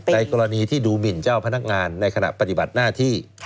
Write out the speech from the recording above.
กรณีที่ดูหมินเจ้าพนักงานในขณะปฏิบัติหน้าที่